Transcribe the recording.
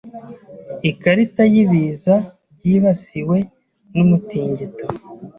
ikarita y’ibiza byibasiwe n’umutingito